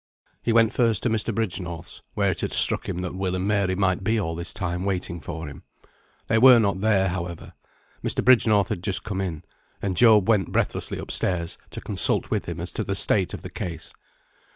He went first to Mr. Bridgenorth's, where it had struck him that Will and Mary might be all this time waiting for him. They were not there, however. Mr. Bridgenorth had just come in, and Job went breathlessly up stairs to consult with him as to the state of the case.